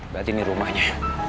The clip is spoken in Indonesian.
berarti ini rumahnya